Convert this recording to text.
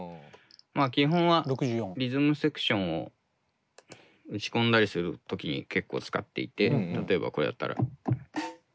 基本はリズムセクションを打ち込んだりする時に結構使っていて例えばこれだったら。